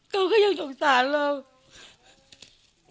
เขาก็ยังสงสารเรา